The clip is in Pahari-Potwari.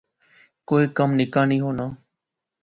کوئی کم نکا نی ہونا